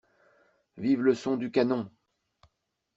Vive le son du canon!